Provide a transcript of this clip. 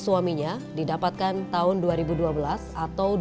apakah suaminya bisa dikonsumsi dengan perempuan yang berkekuatan